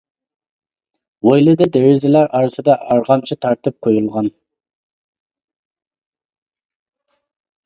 ھويلىدا دېرىزىلەر ئارىسىدا ئارغامچا تارتىپ قويۇلغان.